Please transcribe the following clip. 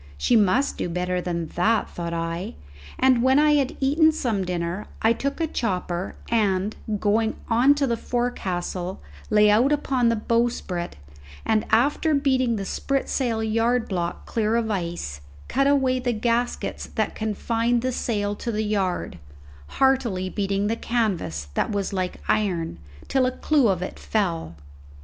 She must do better than that, thought I; and when I had eaten some dinner I took a chopper, and, going on to the forecastle, lay out upon the bowsprit, and after beating the spritsail yard block clear of the ice, cut away the gaskets that confined the sail to the yard, heartily beating the canvas, that was like iron, till a clew of it fell.